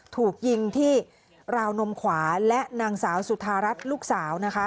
ถูกยิงที่ราวนมขวาและนางสาวสุธารัฐลูกสาวนะคะ